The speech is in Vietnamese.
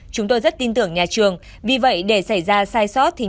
chúng tôi rất tin tưởng nhà trường vì vậy để xảy ra sai sót thì nhà trường